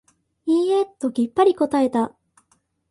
いいえ、ときっぱり答えた。